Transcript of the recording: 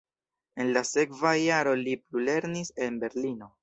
En la sekva jaro li plulernis en Berlino.